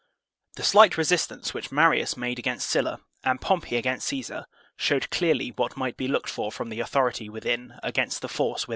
The slight resistance which Marius made against Sylla, and Pompey against Caesar, showed clearly what might be looked for from the authority within against the force without.